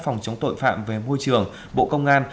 phòng chống tội phạm về môi trường bộ công an